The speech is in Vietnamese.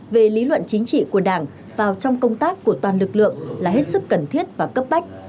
về lý luận chính trị của đảng vào trong công tác của toàn lực lượng là hết sức cần thiết và cấp bách